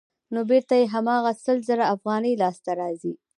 نو بېرته یې هماغه سل زره افغانۍ لاسته راځي